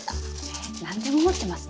え何でも持ってますね。